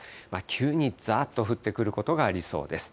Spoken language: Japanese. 急にざーっと降ってくることがありそうです。